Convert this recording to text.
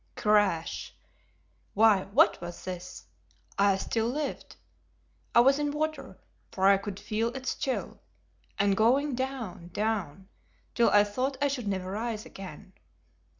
_ Crash! Why, what was this? I still lived. I was in water, for I could feel its chill, and going down, down, till I thought I should never rise again.